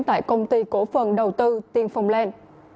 tại công ty cổ phần đầu tư tiên phong lan